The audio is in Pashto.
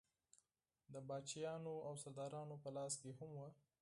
د پاچاهانو او سردارانو په لاس کې هم وه.